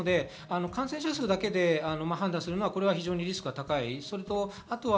感染者数だけで判断するのはリスクが高い。